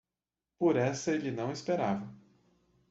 Por essa ele não esperava.